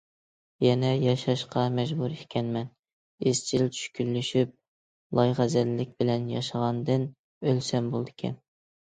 يەنە ياشاشقا مەجبۇر ئىكەنمەن، ئىزچىل چۈشكۈنلىشىپ، لايغەزەللىك بىلەن ياشىغاندىن ئۆلسەم بولىدىكەن.